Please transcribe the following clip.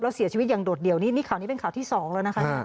แล้วเสียชีวิตอย่างโดดเดี่ยวนี่ข่าวนี้เป็นข่าวที่สองแล้วนะคะ